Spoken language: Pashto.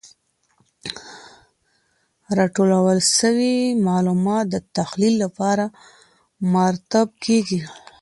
راټول سوي معلومات د تحلیل لپاره مرتب کیږي.